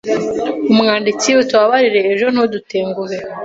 umwanditsi utubabarire ejo ntudutenguhe